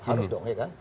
harus dong ya kan